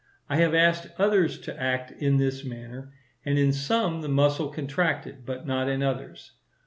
I have asked others to act in this manner; and in some the muscle contracted, but not in others.